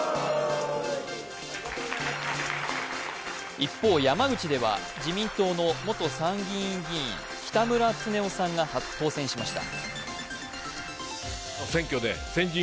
一方、山口では自民党の元参議院議員、北村経夫さんが当選しました。